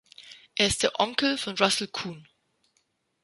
Er ist der Onkel von Russell Kun.